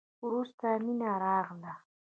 وروسته مينه راغله.